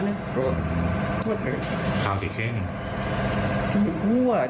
หมณ์การดูแลเยี่ยมหยาด้วย